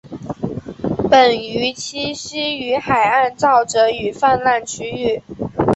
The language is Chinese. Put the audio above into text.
本鱼栖息于海岸沼泽与泛滥区域。